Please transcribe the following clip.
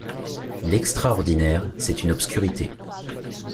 L’extraordinaire, c’est une obscurité.